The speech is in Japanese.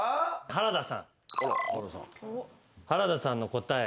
原田さんの答え